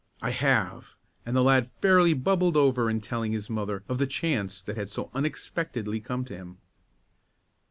"I have," and the lad fairly bubbled over in telling his mother of the chance that had so unexpectedly come to him.